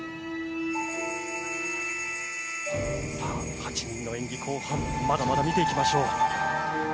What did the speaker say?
８人の演技後半、まだまだ見ていきましょう。